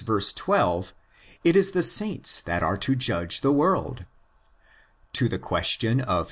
2 it is the saints that are to judge the world. To the question of vi.